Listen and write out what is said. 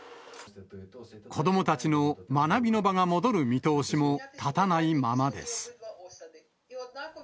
子どもたちの学びの場が戻る見通しも立たないままです。